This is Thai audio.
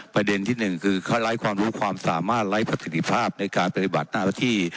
ประเด็นที่หนึ่งคือเขาไร้ความรู้ความสามารถไร้ประสิทธิภาพในการปฏิบัติหน้าที่